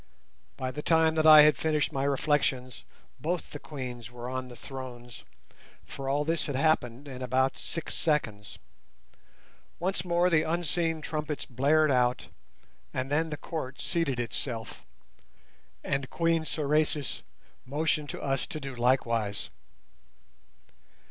By the time that I had finished my reflections both the Queens were on the thrones, for all this had happened in about six seconds. Once more the unseen trumpets blared out, and then the Court seated itself, and Queen Sorais motioned to us to do likewise.